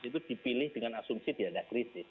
itu dipilih dengan asumsi diada krisis